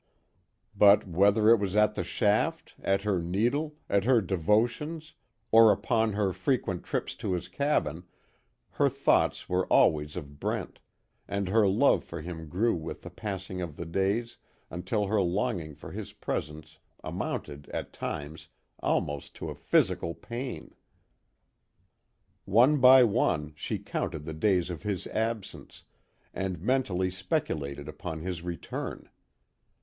But whether it was at the shaft, at her needle, at her devotions, or upon her frequent trips to his cabin, her thoughts were always of Brent, and her love for him grew with the passing of the days until her longing for his presence amounted, at times, almost to a physical pain. One by one, she counted the days of his absence, and mentally speculated upon his return.